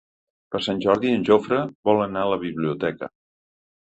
Per Sant Jordi en Jofre vol anar a la biblioteca.